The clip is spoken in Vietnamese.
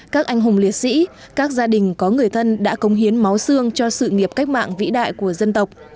các anh hùng liệt sĩ các gia đình có người thân đã công hiến máu xương cho sự nghiệp cách mạng vĩ đại của dân tộc